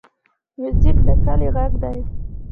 موزیک د کلي غږ دی.